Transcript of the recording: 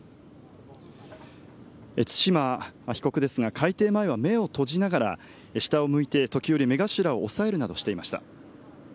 對馬被告ですが、開廷前は目を閉じながら、下を向いて、時折、目頭を押さえるなどしていました。